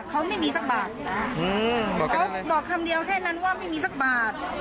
เขาไม่มีสักบาทอืมบอกกันอะไรบอกคำเดียวแค่นั้นว่าไม่มีสักบาท